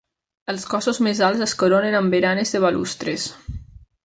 Els cossos més alts es coronen amb baranes de balustres.